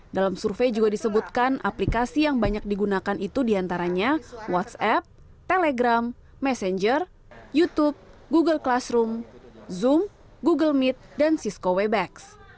dalam survei juga disebutkan aplikasi yang banyak digunakan itu diantaranya whatsapp telegram messenger youtube google classroom zoom google meet dan cisco webex